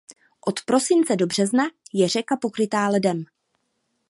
Od prosince do března je řeka pokrytá ledem.